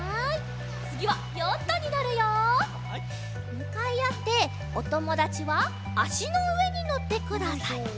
むかいあっておともだちはあしのうえにのってください。